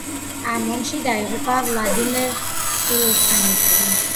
ამ ომში დაიღუპა ვლადიმერ კილოსანიძე.